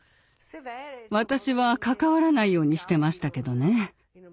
私は関わらないようにしてましたけどね。